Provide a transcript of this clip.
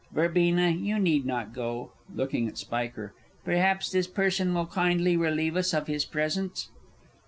Verbena, you need not go. (Looking at SPIKER.) Perhaps this person will kindly relieve us of his presence.